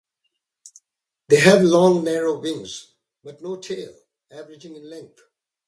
They have long, narrow wings, but no tail, averaging in length.